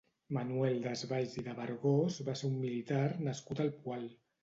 Manuel Desvalls i de Vergós va ser un militar nascut al Poal.